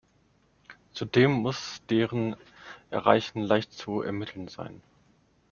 Zudem muss deren Erreichen leicht zu ermitteln sein.